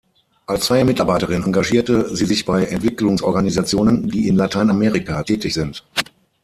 Als freie Mitarbeiterin engagierte sie sich bei Entwicklungsorganisationen, die in Lateinamerika tätig sind.